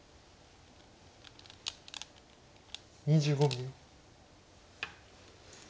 ２５秒。